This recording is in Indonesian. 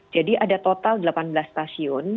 jadi ada total delapan belas stasiun